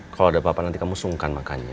kalo ada bapak nanti kamu sungkan makannya